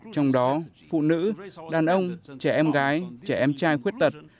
trong đó phụ nữ đàn ông trẻ em gái trẻ em trai khuyết tật